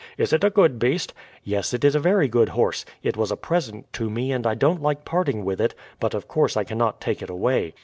Is it a good beast?" "Yes, it is a very good horse. It was a present to me, and I don't like parting with it. But of course I cannot take it away."